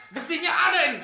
diktinya ada ini